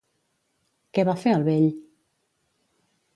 Què va fer el vell?